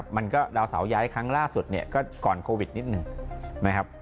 มันก็ดาวเสาย้ายครั้งล่าสุดเนี่ยก็ก่อนโควิดนิดหนึ่งนะครับ